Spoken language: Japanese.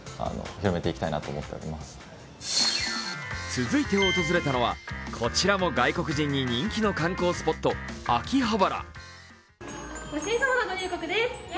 続いて訪れたのはこちらも外国人に人気の観光スポット・秋葉原。